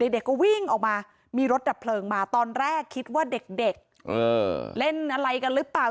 เด็กก็วิ่งออกมามีรถดับเพลิงมาตอนแรกคิดว่าเด็กเล่นอะไรกันหรือเปล่า